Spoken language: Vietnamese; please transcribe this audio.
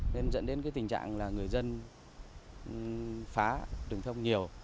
nên dẫn đến cái tình trạng là người dân phá rừng thông nhiều